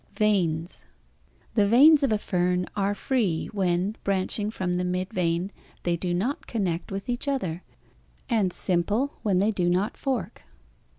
VEINS The veins of a fern are free, when, branching from the mid vein, they do not connect with each other, and simple when they do not fork.